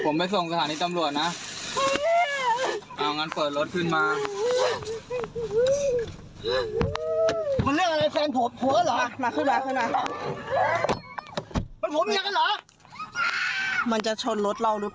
มันจะชนรถเราหรือเปล่าเธอเขามีปืนไหมไม่มีอ่ามีมีนไหมมี